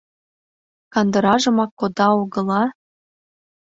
— Кандыражымак кода огыла...